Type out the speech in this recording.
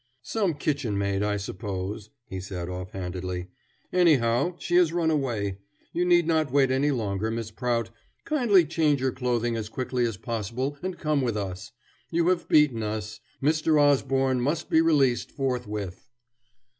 "Some kitchen maid, I suppose," he said off handedly. "Anyhow, she has run away. You need not wait any longer, Miss Prout. Kindly change your clothing as quickly as possible and come with us. You have beaten us. Mr. Osborne must be released forthwith."